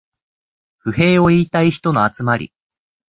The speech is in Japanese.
不平を言いたい人の集まり